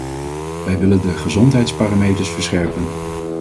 Wij willen de gezondheidsparameters verscherpen.